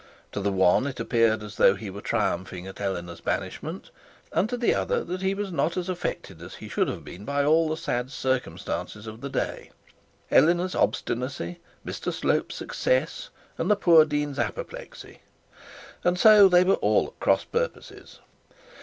To the one it appeared as though he were triumphing at Eleanor's banishment, and to the other that he was not affected as he should have been by all the sad circumstances of the day, Eleanor's obstinacy, Mr Slope's success, and the poor dean's apoplexy. And so they were all at cross purposes.